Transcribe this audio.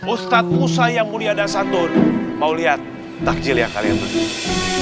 ustadz musa yang mulia dan santun mau lihat takjil yang kalian berdua